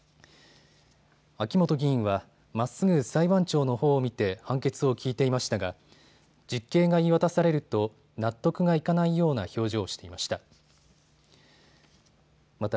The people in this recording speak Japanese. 秋元議員はまっすぐ裁判長のほうを見て判決を聞いていましたが実刑が言い渡されると納得がいかないような表情をしていました。